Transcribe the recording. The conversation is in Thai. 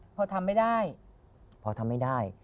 พอทำไม่ได้